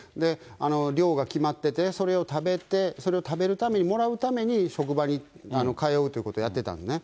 量が決まってて、それを食べて、それを食べるために、もらうために、しょくばに通うということをやってたんですね。